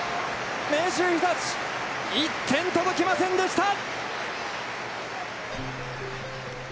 明秀日立、１点届きませんでした。